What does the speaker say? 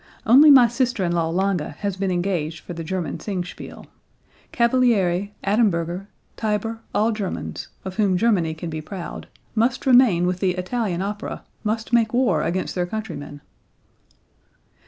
Only my sister in law Lange has been engaged for the German Singspiel. Cavalieri, Adamberger, Teyber, all Germans, of whom Germany can be proud, must remain with the Italian opera, must make war against their countrymen!"